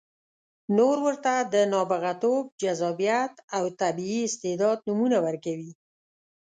نور ورته د نابغتوب، جذابیت او طبیعي استعداد نومونه ورکوي.